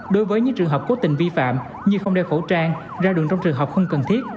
đối với những trường hợp cố tình vi phạm như không đeo khẩu trang ra đường trong trường hợp không cần thiết